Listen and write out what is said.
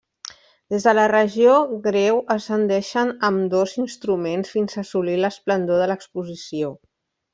Des de la regió greu ascendeixen ambdós instruments fins a assolir l'esplendor de l'exposició.